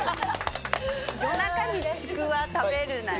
夜中にちくわ食べるなよ？